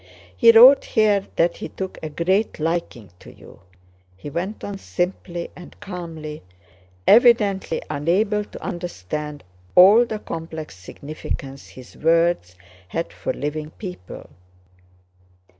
"He wrote here that he took a great liking to you," he went on simply and calmly, evidently unable to understand all the complex significance his words had for living people.